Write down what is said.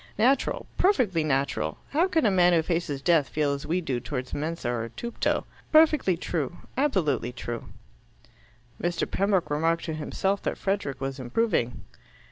Natural, perfectly natural. How can a man who faces death feel as we do towards mensa or tupto?" "Perfectly true. Absolutely true." Mr. Pembroke remarked to himself that Frederick was improving.